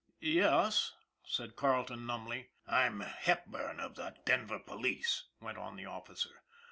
" Yes," said Carleton numbly. " I'm Hepburn of the Denver police," went on the officer.